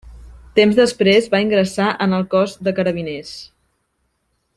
Temps després va ingressar en el Cos de Carabiners.